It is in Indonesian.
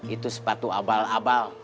itu sepatu abal abal